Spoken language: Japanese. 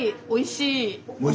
おいしい？